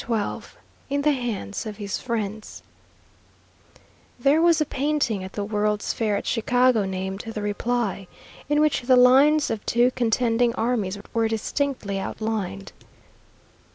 XII IN THE HANDS OF HIS FRIENDS There was a painting at the World's Fair at Chicago named "The Reply," in which the lines of two contending armies were distinctly outlined.